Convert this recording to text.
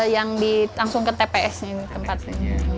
yang langsung ke tps ini tempatnya